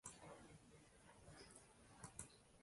Yana men mirzoboshi bo’lib qolsam